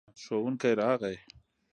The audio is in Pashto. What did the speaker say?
ښوونکی راغی.